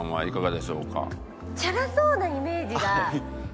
チャラそうなイメージがありますね